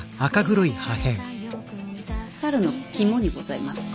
猿の肝にございますか。